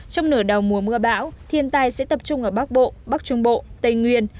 trong nửa đầu mùa mưa bão thiên tai sẽ tập trung ở bắc bộ bắc trung bộ tây nguyên